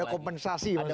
ada kompensasi maksudnya